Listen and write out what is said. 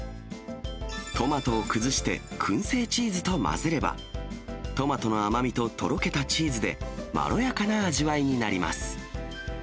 トマトを崩してくん製チーズと混ぜれば、トマトの甘みととろけたチーズで、まろやかな味わいになります。